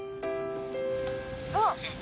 あっ！